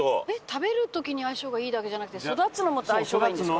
食べる時に相性がいいだけじゃなくて育つのも相性がいいんですか？